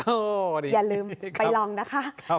โอ้ดีอย่าลืมไปลองนะคะ